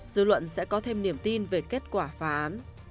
dư luận sẽ có thêm niềm tin về kết quả phá án